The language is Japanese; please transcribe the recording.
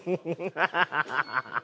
ハハハハ！